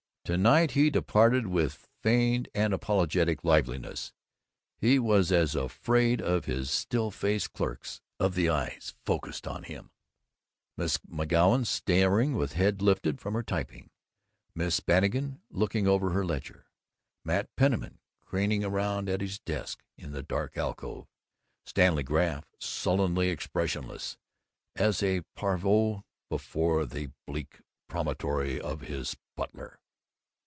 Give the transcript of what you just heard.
To night he departed with feigned and apologetic liveliness. He was as afraid of his still faced clerks of the eyes focused on him, Miss McGoun staring with head lifted from her typing, Miss Bannigan looking over her ledger, Mat Penniman craning around at his desk in the dark alcove, Stanley Graff sullenly expressionless as a parvenu before the bleak propriety of his butler.